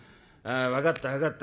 分かった分かった。